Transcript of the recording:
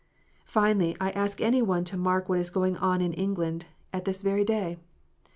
Finally, I ask any one to mark what is going on in England at this very day ?